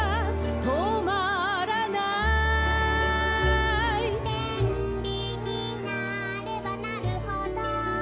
「とまらない」「便利になればなるほど」